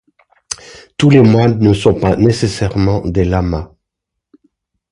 Tous les moines ne sont pas nécessairement des lamas.